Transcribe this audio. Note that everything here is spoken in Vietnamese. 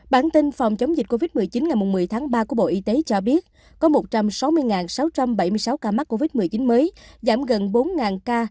bản tin phòng chống dịch covid một mươi chín ngày một mươi tháng ba của bộ y tế cho biết có một trăm sáu mươi sáu trăm bảy mươi sáu ca mắc covid một mươi chín mới giảm gần bốn ca